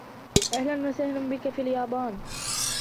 أهلاً و سهلاً بك في اليايان.